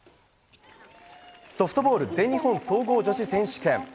ソフトボール全日本総合女子選手権。